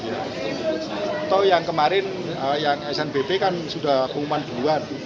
atau yang kemarin yang snbp kan sudah pengumuman dua